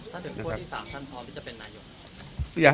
ถ้าถึงพวกที่๓ท่านพรจะเป็นนายก